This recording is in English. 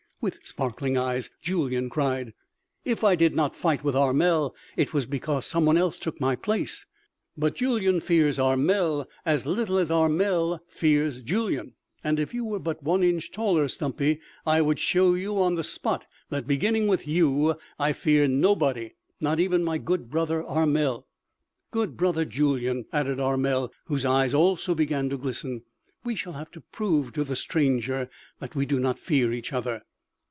With sparkling eyes, Julyan cried: "If I did not fight with Armel it was because someone else took my place; but Julyan fears Armel as little as Armel fears Julyan; and if you were but one inch taller, Stumpy, I would show you on the spot that, beginning with you, I fear nobody not even my good brother Armel " "Good brother Julyan!" added Armel whose eyes also began to glisten, "we shall have to prove to the stranger that we do not fear each other."